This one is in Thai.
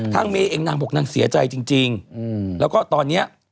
เมย์เองนางบอกนางเสียใจจริงแล้วก็ตอนนี้